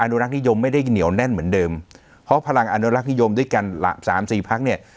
อานุรักษณียมไม่ได้เหนียวแน่นเหมือนเดิมเพราะพลังอานุรักษณียมด้วยกันหลับสามสี่ภักดิ์เนี้ย